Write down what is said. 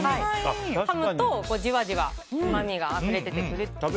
かむと、じわじわうまみがあふれ出てくるという。